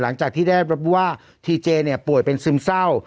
หลังจากที่ได้รับรู้ว่าทีเจเนี่ยป่วยเป็นซึมเศร้า